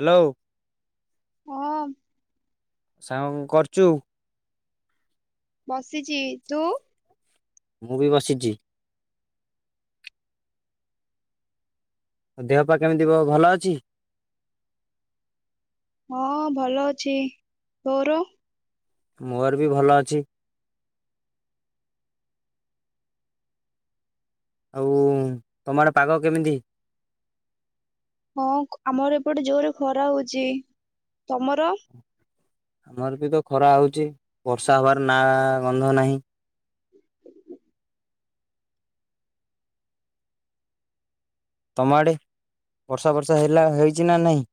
Hello. ହଁ। ସାଉଁ କର୍ ଚୁ? ବସ ବସିଚି ତୁ। ମୁଁ [unintelligible] ଦେହ ପା କେମିତି ବ ଭଲ ଅଛି? ହଁ ଭଲ ଅଛି। ତୋର? ମୋର୍ ବି ଭଲ ଅଛି। ଆଉ ତମ ଆଡେ ପାଗ କେମିତି। ହଁ ଆମର ଏପଟେ ଜୋରେ ଖରା ହୋଉଚି। ତମର? ଆମର୍ ବି ତ ଖରା ହୋଉଛି ବର୍ଷା ହବାର ନା ଗନ୍ଧ ନାହିଁ। ତମ ଆଡେ, ବର୍ଷା ବର୍ଷା ହେଲା ହେଇଛି ନା ନାହିଁ?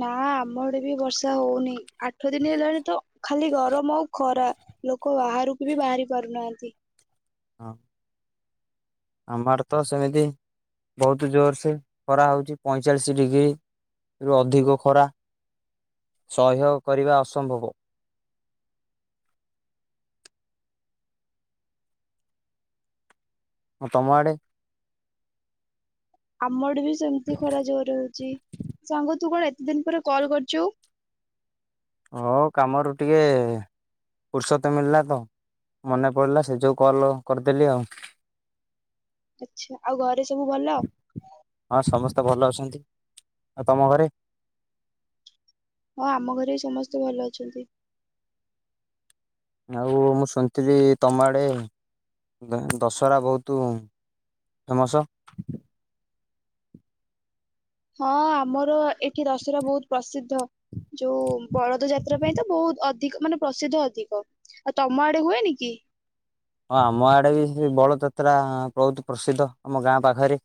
ନା ଆମ ଆଡେ ବି ବର୍ଷା ହୋଉନି ଆଠ ଦିନି ହେଲାଣି ତ ଖାଲି ଗରମ ଆଉ ଖରା ଲୋକ ବାହାରକୁ ବି ବାହାରି ପାରୁନାହାନ୍ତି। ହଁ। ଆମର ତ ସେମିତି ବହୁତ ଜୋରସେ ଖରା ହଉଛି ପଇଁଚାଳିଶ୍ ଡିଗ୍ରୀରୁୁ ଅଧିକ ଖରା ସହ୍ୟ କରିବା ଅସମ୍ଭବ। ଆ ତମ ଆଡ଼େ। ଆମଆଡେ ବି ସେମ୍ତି ଖରା ଜୋରେ ହୋହୁଚି ସାଙ୍ଗ ତୁ କଣ ଏତେ ଦିନ୍ ପରେ କଲ୍ କରିଚୁ। ହଁ କାମରୁ ଟିକେ ଫୁର୍ସତ ମିଳିଲା ତ ମନେ ପଇଲା ସେ ଯୋଉ କଲ୍ କରିଦେଲି ଆଉ। ଆଛା ଆଉ ଘରେ ସବୁ ଭଲ। ହଁ ସମସ୍ତେ ଭଲ ଅଛନ୍ତି ଆଉ ତମ ଘରେ। ହଁ ଆମ ଘରେ ବି ସମସ୍ତେ ଭଲ ଅଛନ୍ତି। ଆଉ ମୁଁ ଶୁଣିଥିଲି ତମ ଆଡ଼େ ଦ ଦଶହରା ବହୁତୁ ଫେମସ। ହଁ ଆମର ଏଠି ଦସରା ବହୁତ ପ୍ରସିଦ୍ଧ ଯୋଉ ବଳଦ ଯାତ୍ରା ପାଇଁ ତ ବହୁତ ଅଧିକ ମାନେ ପ୍ରସିଦ୍ଧ ଅଧିକ ଆଉ ତମ ଆଡେ ହୁଏନି କି। ଏ ବଳ ଯାତ୍ରା ବହୁତୁ ପ୍ରସିଦ୍ଧ ଆମ ଗାଁ ପାଖରେ।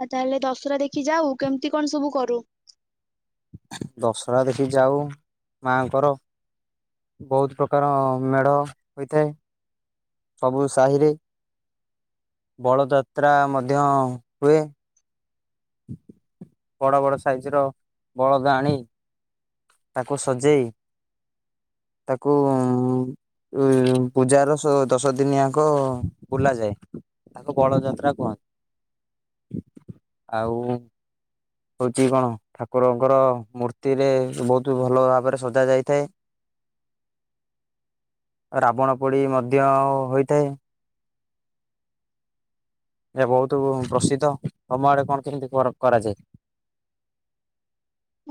ଆଉ ତାହେଲେ ଦଶହରା ଦେଖି ଯାଉ କେମିତି କଣ ସବୁ କରୁ। ଦଶହରା ଦେଖି ଯାଉ ମାଆଙ୍କର। ବୋହୁତ୍ ପ୍ରକାର ମେଢ ହୋଇଥାଏ। ସବୁ ସାହିରେ ବଳଯାତ୍ରା ମଧ୍ୟ ହୁଏ। ବଡ ବଡ ସାଇଜ୍ ର ବଳଦ ଆଣି ତାକୁ ସଜେଇ ତାକୁ ଉ ଉ ପୂଜାର ଦଶ ଦିନିଆକ ବୁଲା ଯାଏ ତାକୁ ବଳଯାତ୍ରା କୁହନ୍ତି ଆଉ ହୋଉଛି କଣ ଠାକୁରଙ୍କର ମୂର୍ତ୍ତିରେ ବହୁତ ଭଲ ଭାବରେ ସଜା ଯାଇଥାଏ, ରାବଣ ପୋଡି ମଧ୍ୟ ହୋଇଥାଏ। ଏ ବହୁତ ପ୍ରସିଦ୍ଧ ତମ ଆଡେ କଣ କେମିତି କରାଯାଏ।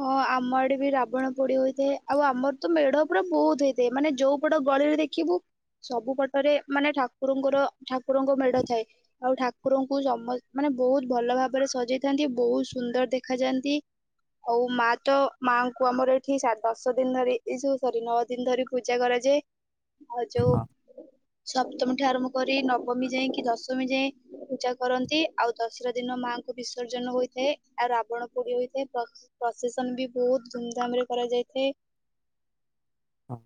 ହଁ ଆମ ଆଡେ ବି ରାବଣ ପୋଡି ହୋଇଥାଏ ଆଉ ଆମର ତ ମେଢ ପୁରା ବହୁତ୍ ହେଇଥାଏ ମାନେ ଯୋଉ ପଟ ଗଳିରେ ଦେଖିବୁ ସବୁପଟରେ ମାନେ ଠାକୁରଙ୍କର ଠାକୁରଙ୍କ ମେଢ ଥାଏ ଆଉ ଠାକୁରଙ୍କୁ ସମ ମାନେ ବହୁତ ଭଲ ଭାବରେ ସଜେଇଥାନ୍ତି ବହୁତ ସୁନ୍ଦର ଦେଖାାଯାଆନ୍ତି। ଆଉ ମା ତ ମାଙ୍କୁ ଆମର ଏଠି ଦଶ ଦିନ ଧରି ଏ ଯୋଉ ସରି ନଅ ଦିନ ଧରି ପୂଜା କରାଯାଏ। ଆଉ ଯୋଉ ସପ୍ତମୀ ଠୁ ଆରମ୍ଭ କରି ନବମୀ ଯାଏଁ କି ଦଶମୀ ଯାଏ ପୂଜା କରନ୍ତି ଆଉ ଦଶରା ଦିନ ମାଙ୍କୁ ବିସର୍ଜନ ହୋଇଥାଏ ଆଉ ରାବଣ ପୋଡି ହୋଇଥାଏ ପ୍ର ପ୍ରସେସନ୍ ବି ବହୁତ୍ ଧୁମଧାମ ରେ କରାଯାଇଥାଏ। ହଁ।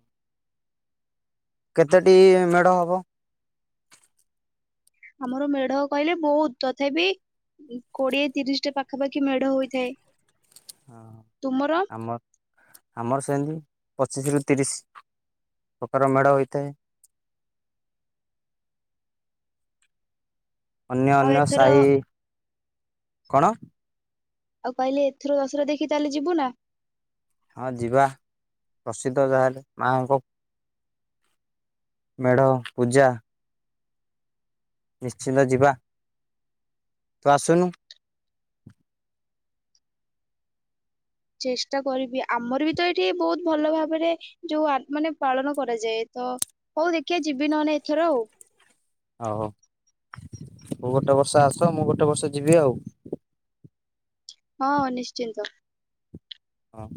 କେତେଟି ମେଢ ହବ। ଆମର ମେଢ଼ କହିଲେ ବହୁତ୍ ତଥାପି କୋଡ଼ିଏ ତିରିଶ୍ ଟା ପାଖାପାଖି ମେଢ଼ ହୋଇଥାଏ। ହଁ ତୁମର ଆମର ଆମର ସେମିତି। ପଚିଶି ରୁ ତିରିଶି ପ୍ରକାର ମେଢ଼ ହେଇଥାଏ। ଅନ୍ୟ ଆଉ ଅନ୍ୟ ଏଥର ସାହି। କଣ। ଆଉ କହିଲେ ଏଥର ଅଶୁର ଦେଖି ତାହେଲେ ଯିବୁ ନା। ହଁ ଯିବା ପ୍ରସିଦ୍ଧ ଯା ହେଲେ ମା ଙ୍କ ମେଢ଼ ପୂଜା। ନିଶ୍ଚିନ୍ତ ଯିବା ତୁ ଆସୁନୁ। ଚେଷ୍ଟା କରିବି ଆମର ବି ତ ଏଇଠି ବହୁତ ଭଲ ଭାବରେ ଯୋଉ ମାନେ ପାଳନ କରାଯାଏ ତ ହଉ ଦେଖିଆ ଯିବି ନହଲେ ଏଥର ଆଉ। ହଉ ତୁ ଗୋଟେ ବର୍ଷ ଆସ ମୁଁ ଗୋଟେ ବର୍ଷ ଯିବି ଆଉ। ହଁ ନିଶ୍ଚିନ୍ତ। ହଁ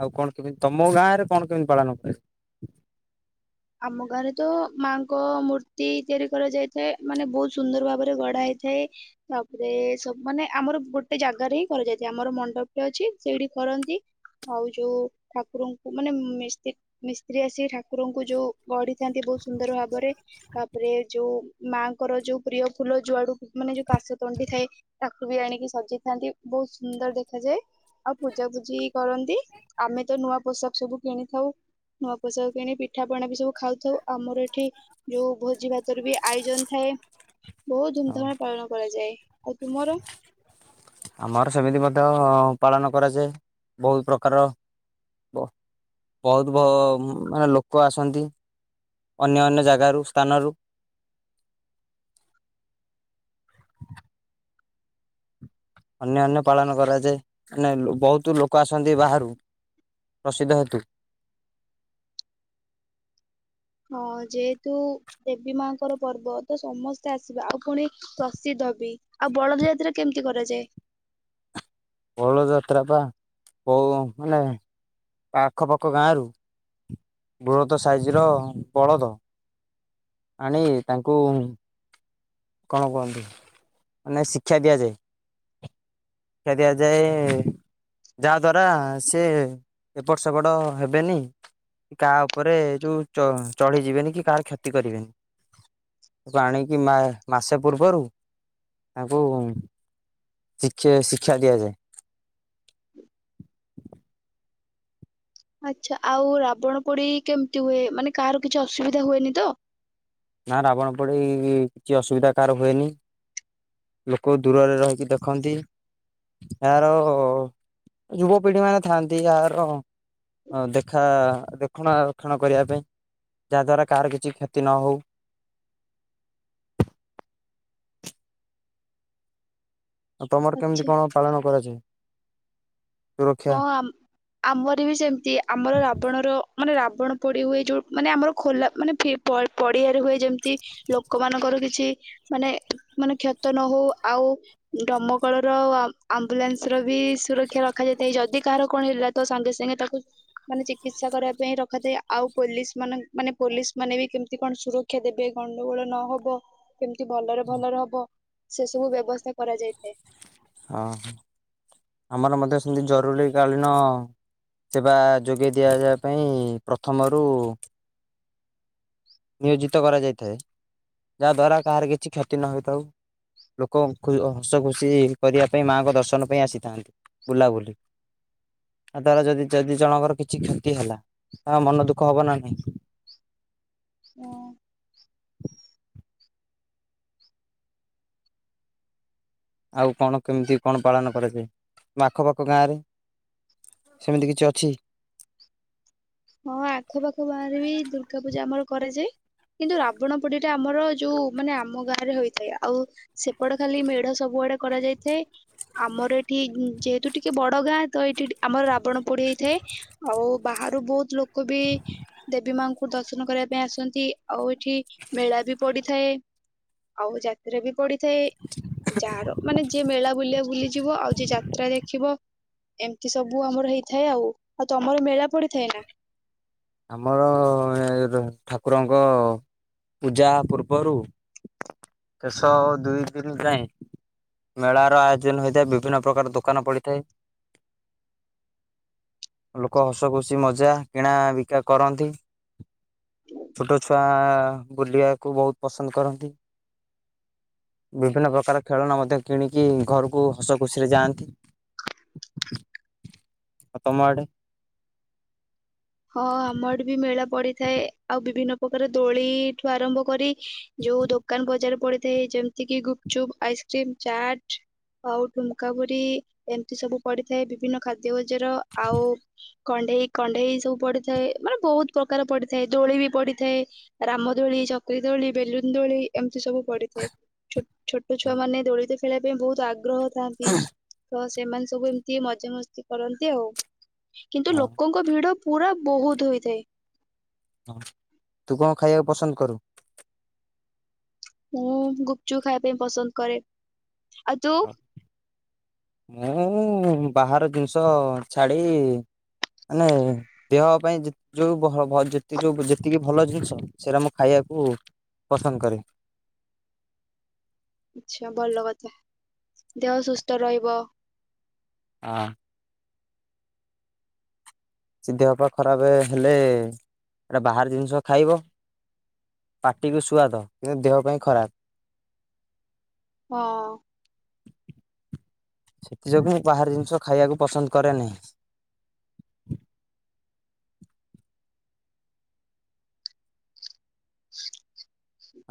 ଆଉ କଣ କେମିତି ତମ ଗାଁ ରେ କଣ କେମିତି ପାଳନ ହୁଏ। ଆମ ଗାଁ ରେ ତ ମାଙ୍କ ମୂର୍ତ୍ତି ତିଆରି କରାଯାଇଥାଏ ମାନେ ବହୁତ ସୁନ୍ଦର ଭାବରେ ଗଢା ହେଇଥାଏ ତାପରେ ସବୁ ମାନେ ଆମର ଗୋଟେ ଜାଗାରେ ହିଁ କରାଯାଇଥାଏ ଆମର ମଣ୍ଡପ ଟେ ଅଛି ସେଇଠି କରନ୍ତି ଆଉ ଯୋଉ ଠାକୁରଙ୍କୁ ମାନେ ମିସ୍ତ୍ରୀ ମିସ୍ତ୍ରୀ ଆସିକି ଠାକୁରଙ୍କୁ। ଯଉ ଗଢ଼ିଥାନ୍ତି ବହୁତ ସୁନ୍ଦର ଭାବରେ ତାପ ରେ ଯୋଉ ମାଆଙ୍କର ଯୋଉ ପ୍ରିୟ ଫୁଲ ଯୁଆଡୁ ମାନେ ଯୋଉ କାଶତଣ୍ଟି ଥାଏ ତାକୁ ବି ଆଣିକି ସଜେଇଥାନ୍ତି ବହୁତ ସୁନ୍ଦର ଦେଖାଯାଏ ଆଉ ପୂଜାପୂଜି କରନ୍ତି ଆମେ ତ ନୂଆ ପୋଷାକ ସବୁ କିଣିଥାଉ ନୂଆ ପୋଷାକ କିଣିି ପି ପିଠା ପଣା ବି ସବୁ ଖାଉଥାଉ ଆମର ଏଠି ଯୋଉ ଭୋଜି ଭାତର ବି ଆୟୋଜନ ଥାଏ ବହୁତ ଧୁମ ଧାମରେ ପାଳନ କରାଯାଏ ଆଉ ତୁମର। ଆମର ସେମିତି ମଧ୍ୟ ପାଳନ କରାଯାଏ ବହୁତ ପ୍ରକାର ବହୁତ ବହୁତ ମାନେ ଲୋକ ଆସନ୍ତି ଅନ୍ୟ ଅନ୍ୟ ଜାଗାରୁ ସ୍ଥାନରୁ। ଅନ୍ୟାନ୍ୟ ପାଳନ କରାଯାଏ ମାନେ ବହୁତ ଲୋକ ଆସନ୍ତି ବାହାରୁ ପ୍ରସିଦ୍ଧ ହେତୁ। ହଁ ଯେହେତୁ ଦେବୀ ମାଙ୍କର ପର୍ବ ତ ସମସ୍ତେ ଆସିବେ ଆଉ ପୁଣି ପ୍ରସିଦ୍ଧ ବି ଆଉ ବଳଦ ଯାତ୍ରା କେମିତି କରାଯାଏ। ବଳଦ ଯାତ୍ରା ବା ବହୁ ମାନେ ଆଖ ପାଖ ଗାଁରୁ ବୃହତ ସାଇଜ ର ବଳଦ ଆଣି ତାଙ୍କୁ କଣ କୁହନ୍ତି ମାନେ ଶିକ୍ଷା ଦିଆଯାଏ। ଶିକ୍ଷା ଦିଆଯାଏ ଯାହାଦ୍ୱାରା ସେ ଏପଟ ସେପଟ ହେବେନି କାହା ଉପରେ ଯୋଉ ଚଡ୍ ଚଢ଼ିଯିବେନି କି କାହାର କ୍ଷତି କରିବେନି ତାକୁ ଆଣିକି ମା ମାସେ ପୂର୍ବରୁ ତାଙ୍କୁ ଶିକ୍ଷା ଶିଖ ଶିକ୍ଷା ଦିଆଯାଏ। ଆଚ୍ଛା ଆଉ ରାବଣ ପୋଡି କେମିତି ହୁଏ ମାନେ କାହାର କିଛି ଅସୁବିଧା ହୁଏନି ତ। ନା ରାବଣ ପୋଡ଼ି କିଛି ଅସୁବିଧା କାହାର ହୁଏନି ଲୋକ ଦୂରରେ ରହିକି ଦେଖନ୍ତି ଏହାର ଯୁବପିଢ଼ି ମାନେ ଥାଆନ୍ତି ଏହାର ଦେଖା ଦେଖଣାକ୍ଷଣ କରିବା ପାଇଁ ଯାହାଦ୍ୱାରା କାହାର କିଛି କ୍ଷତି ନ ହେଉ। ଆଉ ତମର ଆଚ୍ଛା। କେମିତି କଣ ପାଳନ କରାଯାଏ? ସୁରକ୍ଷା? ହଁ ଆମ ଆମର ବି ସେମିତି ଆମର ରାବଣର ମାନେ ରାବ- ରାବଣ ପଡି ହୁଏ ଯୋଉ ମାନେ ଆମର ଖୋଲା ମାନେ [unintelligible] ପଡିଆରେ ହୁଏ ଯେମିତି ଲୋକମାନଙ୍କର କିଛି ମାନେ ମାନେ କ୍ଷତ ନ ହଉ ଆଉ ଦମକଳ ର ଆ- ଆମ୍ବୁଲାନ୍ସ ର ବି ସୁରକ୍ଷା ର ରଖାଯାଇଥାଏ ଯଦି କାହାର କଣ ହେଲା ତ ସାଙ୍ଗେ ସାଙ୍ଗେ ତାକୁ ମାନେ ଚିକିତ୍ସା କରିବା ପାଇଁ ରଖାଯାଏ ଆଉ ପୋଲିସ ମାନଙ୍କ ମାନେ ପୋଲିସ ମାନେ ବି କେମିତି କଣ ସୁରକ୍ଷା ଦେବେ ଗଣ୍ଡଗୋଳ ନହବ। କେମିତି ଭଲରେ ଭଲରେ ହବ। ସେ ସବୁ ବ୍ୟବସ୍ଥା କରାଯାଇଥାଏ। ହଁ ଆମର ମଧ୍ୟ ସେମିତି ଜରୁରୀ କଳୀନ ସେବା ଯୋଗେଇ ଦିଆଯିବା ପାଇଁ ପ୍ରଥମରୁ ନିଯୁକ୍ତ କରାଯାଇଥାଏ ଯାହା ଦ୍ୱାରା କାହାର କିଛି କ୍ଷତି ନ ହେଥାଉ ଲୋକ ହସ ଖୁସି କରିବା ପାଇଁ ମାଙ୍କ ଦର୍ଶନ ପାଇଁ ଆସିଥାନ୍ତି ବୁଲାବୁଲି ତା ଦ୍ଵାରା ଯଦି ଯଦି ଜଣଙ୍କର କିଛି କ୍ଷତି ହେଲା ତା ମନ ଦୁଃଖ ହବ ନା ନାହିଁ। ହଁ ଆଉ କଣ କେମିତି କଣ ପାଳନ କରାଯାଏ ଆଖ ପାଖ ଗାଁରେ ସେମିତି କିଛି ଅଛି। ହଁ ଆଖପାଖ ବାହାରେ ବି ଦୁର୍ଗା ପୂଜା ଆମର କରାଯାଏ କିନ୍ତୁ ରାବଣ ପୋଡି ଟା ଆମର ଯୋଉ ମାନେ ଆମ ଗାଁ ରେ ହୋଇଥାଏ ଆଉ ସେପଟେ ଖାଲି ମେଢ ସବୁଆଡେ କରାଯାଇଥାଏ ଆମର ଏଠି ଯେହେତୁ ଟିକେ ବଡ ଗାଁ ତ ଏଇଠି ଆମର ରାବଣ ପୋଡି ହେଇଥାଏ ଆଉ ବାହାରୁ ବହୁତ କୁ ବି ଦେବୀ ମାଙ୍କୁ କୁ ଦର୍ଶନ କରିବା ପାଇଁ ଆସନ୍ତି ଆଉ ଏଠି ମେଳା ବି ପଡିଥାଏ ଆଉ ଯାତ୍ରା ବି ପଡି ଥାଏ ଯାହାର ମାନେ ଯିଏ ମେଳା ବୁଲିିବ ବୁଲି ଯିବ ଆଉ ଯେ ଯାତ୍ରା ଦେଖିବ ଏମିତି ସବୁ ଆମର ହେଇଥାଏ ଆଉ ଆଉ ତମର ମେଳା ପଡିଥାଏ ନା। [unintelligible] ଠାକୁରଙ୍କ ପୂଜା ପୂର୍ବରୁ--ଶେଷ ଦୁଇ ଦିନ ଯାଏଁ ମେଳାର ଆୟୋଜନ ହୋଇଥାଏ ବିଭିନ୍ନ ପ୍ରକାର ଦୋକାନ ପଡିଥାଏ ଲୋକ ହସ ଖୁସି ମଜା କିଣା ବି କରନ୍ତି। ଛୋଟ ଛୁଆ ବୁଲିୟାକୁ ବହୁତ ପସନ୍ଦ କରନ୍ତି ବିଭିନ୍ନ ପ୍ରକାର ଖେଳ ମଧ୍ୟ କିଣିକି ଘରକୁ ହସ ଖୁସିରେ ଯାଆନ୍ତି -ଆଉ ତମଆଡେ। ହଁ ଆମର ବି ମେଳା ପଡିଥାଏ ଆଉ ବିଭିନ୍ନ ପ୍ରକାର ଦୋଳିଇ ଠୁ ଆରମ୍ଭ କରି ଯୋଉ ଦୋକାନ ବଜାର ପଡି ଯେମିତି କି ଗୁପଚୁପ୍ ଆଇସ୍କ୍ରିମ ଚାଟ୍ ଆଉ ଠୁଙ୍କା ପୁରି ଏମିତି ସବୁ ପଡିଥାଏ ବିଭିନ୍ନ ଖାଦ୍ୟ ନିଜର ଆଉ କଣ୍ଢେଇ କଣ୍ଢେଇ ସବୁ ପଡିଥାଏ ମାନେ ବହୁତ ପ୍ରକାର ପଡିଥାଏ ଦୋଳି ବି ପଡିଥାଏ ରାମ ଦୋଳି ଚକ୍ରି ଦୋଳି ବେଲୁନ ଦୋଳି ଏମ୍ ସବୁ ପଡିିଥାଏ ଛୋଟ ଛୁଆ ମାନେ ଦୋଳି ଦେ ଖେଳିୟା ପାଇଁ ବହୁତ ଆଗ୍ରହ ଥାଆନ୍ତି [unintelligible] ଏମାନେ ସବୁ ଏମିତି ମଜାମସ୍ତି କରନ୍ତି ଆଉ କିନ୍ତୁ ଲୋକଙ୍କ ଭିଡ ପୁରା ବହୁତ ହୋଇଥାଏ। ହଁ ତୁ କଣ ଖାଇବାକୁ ପସନ୍ଦ କରୁ? ମୁଁ ଗୁପଚୁପ୍ ଖାଇବା ପାଇଁ ପସନ୍ଦ କରେ। ଆଉ ତୁ [unintelligible] ମୁଁ ଉଁ ଉଁ ମୁଁ ବାହାର ଜିନିଷ ଛାଡି ମାନେ ଦେହ ପାଇଁ ଯେ ଯୋଉ ବହ ବହ ଭ ଯୋଉ ଯେତିକି ଭଲ ଜିନିଷ ସେରା ମୁଁ ଖାୟାକୁ ପସନ୍ଦ କରେ। ଆଛା ଭଲ କଥା ଦେହ ସୁସ୍ଥ ରହିବ। ଆଁ। ସେ ଦେହପା ଖରାପ ହେଲେଏଏ ଏଟା ବାହାର ଜିନିଷ ଖାଇବ ପାଟିକୁ ସୁଆଦ କିନ୍ତୁ ଦେହ ପାଇଁ ଖରାପ୍। ହଁଅଅ ସେଥିଯୋଗୁଁ ମୁଁ ବାହାର ଜିନିଷ ଖାଇବାକୁ ପସନ୍ଦ କରେନି।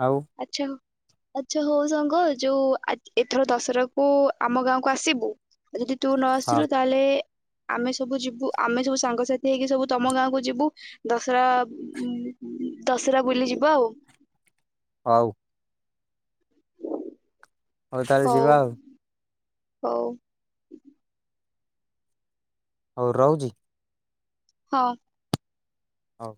ଆଉ ଆଛା ଆଚ୍ଛା ହଉ ସାଙ୍ଗ ଯୋଉ ଆ ଏଥର ଦଶହରାକୁ ଆମ ଗାଆଁକୁ ଆସିବୁ ଆ ଯଦି ତୁ ନ ହଁ ଆସିଲୁ ତାଏଲେ ଆମେ ସବୁ ଯିବୁ ଆମେ ସବୁ ସାଙ୍ଗସାଥି ହେଇକି ସବୁ ତମ ଗାଁ କୁ ଯିବୁ ଦଶରା ଉଁ ଉଂ--ଦଶରା ବୁଲି ଯିବା ଆଉ। ହଉ। ହଉ ତାହେଲେ ଯିବା ଆଉ। ହଉ ହଉ ରଉଚି। ହଁ। ହଉ।